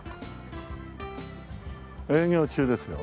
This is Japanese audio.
営業中ですよ。